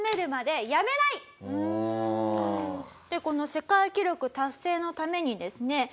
この世界記録達成のためにですね